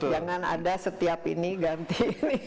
jangan ada setiap ini ganti ini